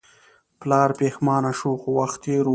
پلار پښیمانه شو خو وخت تیر و.